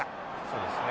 そうですね。